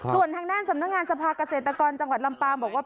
ส่วนทางด้านสำนักงานสภาเกษตรกรจังหวัดลำปางบอกว่า